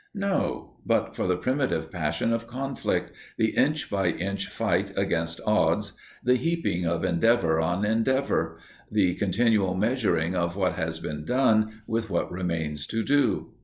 No, but for the primitive passion of conflict, the inch by inch fight against odds, the heaping of endeavour on endeavour, the continual measuring of what has been done with what remains to do.